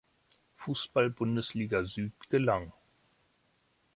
Fußball-Bundesliga Süd gelang.